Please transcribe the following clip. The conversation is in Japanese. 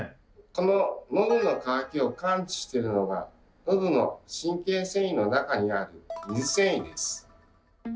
こののどの渇きを感知してるのがのどの神経線維の中にある「水線維」です。